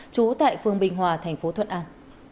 chú tại phương bình hòa tp thuận an